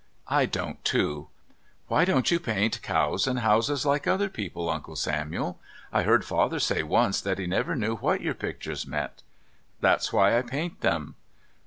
"I don't, too... Why don't you paint cows and houses like other people, Uncle Samuel? I heard Father say once that he never knew what your pictures meant." "That's why I paint them."